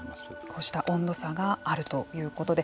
こうした温度差があるということで。